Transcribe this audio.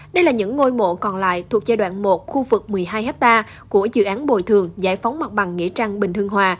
đây là những ngôi mộ còn lại thuộc giai đoạn một khu vực một mươi hai ha của dự án bồi thường giải phóng mặt bằng nghĩa trang bình hưng hòa